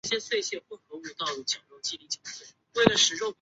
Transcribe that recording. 十项全能七项全能